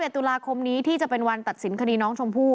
ตุลาคมนี้ที่จะเป็นวันตัดสินคดีน้องชมพู่